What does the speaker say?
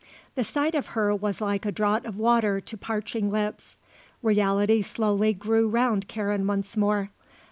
The sight of her was like a draught of water to parching lips. Reality slowly grew round Karen once more.